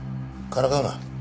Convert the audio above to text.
からかうな。